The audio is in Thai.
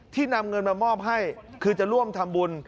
นำเงินมามอบให้คือจะร่วมทำบุญ